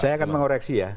saya akan mengoreksi ya